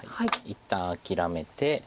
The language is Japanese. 一旦諦めて。